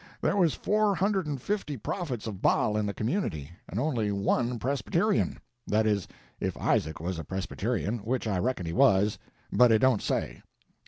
There was four hundred and fifty prophets of Baal in the community, and only one Presbyterian; that is, if Isaac was a Presbyterian, which I reckon he was, but it don't say.